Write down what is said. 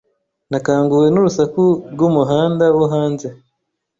Nakanguwe n urusaku rwumuhanda wo hanze.